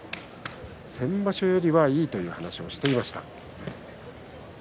先場所よりはいいという話をしていました。